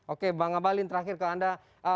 oke bang abalin terakhir ke anda